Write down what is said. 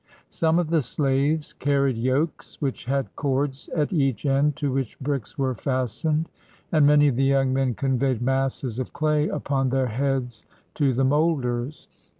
Some of the slaves carried yokes, which had cords at each end, to which bricks were fastened; and many of the young men conveyed masses of clay upon their heads to the moulders.